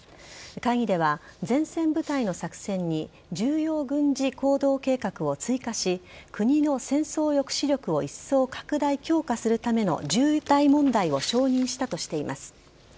会議では前線部隊の作戦に重要軍事行動計画を追加し国の戦争抑止力をいっそう拡大・強化するための重大問題を承認したとしています。